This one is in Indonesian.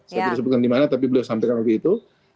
saya belum sebutkan di mana tapi beliau sampaikan di situ